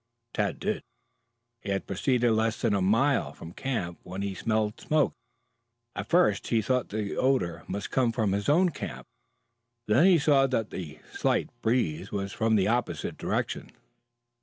Tad did. He had proceeded less than a mile from camp when he smelled smoke. At first he thought the odor must come from his own camp, then he saw that the slight breeze was from the opposite direction.